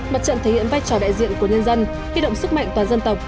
mặt trận thể hiện vai trò đại diện của nhân dân huy động sức mạnh toàn dân tộc